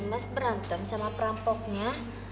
mas berantem sama perampoknya